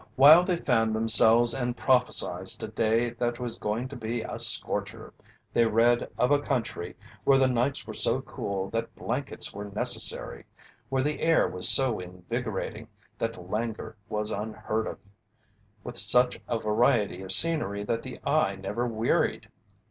While they fanned themselves and prophesied a day that was going to be a "scorcher" they read of a country where the nights were so cool that blankets were necessary, where the air was so invigorating that langour was unheard of, with such a variety of scenery that the eye never wearied.